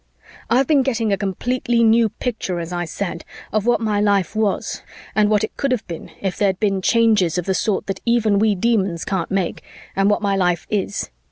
I've been getting a completely new picture, as I said, of what my life was and what it could have been if there'd been changes of the sort that even we Demons can't make, and what my life is.